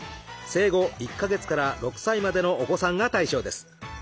生後１か月から６歳までのお子さんが対象です。